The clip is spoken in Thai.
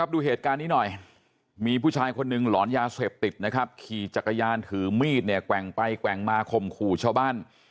ดูเหตุการณ์นี้หน่อยมีผู้ชายคนหนึ่งหลอนยาเสพติดนะครับขี่จักรยานถือมีดเนี่ยแกว่งไปแกว่งมาข่มขู่ชาวบ้าน